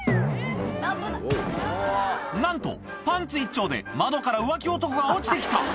なんと、パンツ一丁で、窓から浮気男が落ちてきた。